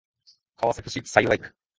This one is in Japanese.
川崎市幸区